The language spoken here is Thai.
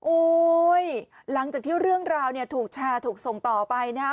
หลังจากที่เรื่องราวเนี่ยถูกแชร์ถูกส่งต่อไปนะฮะ